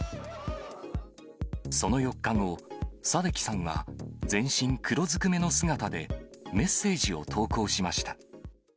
その４日後、サデキさんは全身黒ずくめの姿で、メッセージを投稿しました。